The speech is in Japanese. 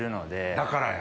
だからや。